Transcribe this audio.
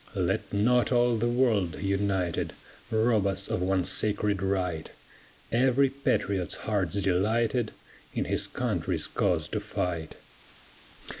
Let not all the world, united, Rob us of one sacred right: Every patriot heart's delighted In his country's cause to fight.